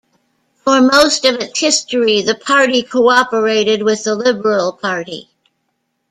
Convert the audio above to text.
For most of its history, the party cooperated with the Liberal Party.